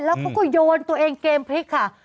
แล้วเขาก็โยนตัวเองเกมพลิกค่ะ